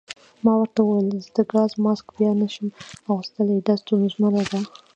ما ورته وویل: ضد ګاز ماسک بیا نه شم اغوستلای، دا ستونزه ده.